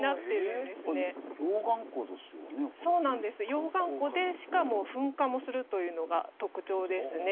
溶岩湖でしかも噴火もするというのが特徴ですね。